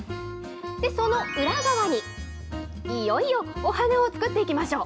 その裏側に、いよいよお花を作っていきましょう。